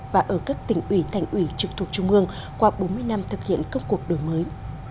và ở các tỉnh ủy thành ủy trực thuộc trung ương qua bốn mươi năm thực hiện công cuộc đổi mới